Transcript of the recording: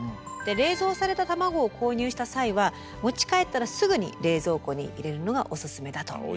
冷蔵された卵を購入した際は持ち帰ったらすぐに冷蔵庫に入れるのがオススメだということです。